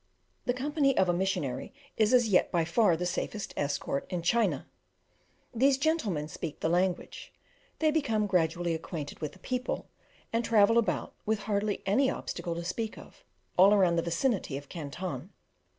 The company of a missionary is as yet by far the safest escort in China. These gentlemen speak the language; they become gradually acquainted with the people, and travel about, with hardly any obstacle to speak of, all round the vicinity of Canton.